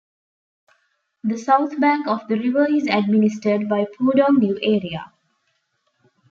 The south bank of the river is administered by Pudong New Area.